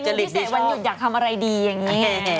พิเศษวันหยุดอยากทำอะไรดีอย่างนี้